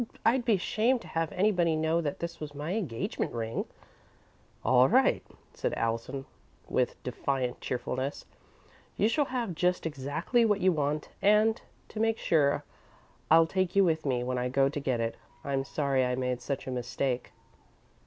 I'd be ashamed to have anybody know that this was my engagement ring." "All right," said Allison, with defiant cheerfulness. "You shall have just exactly what you want, and, to make sure, I'll take you with me when I go to get it. I'm sorry I made such a mistake."